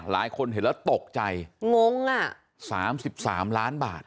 หลายคนเห็นแล้วตกใจงงอ่ะสามสิบสามล้านบาท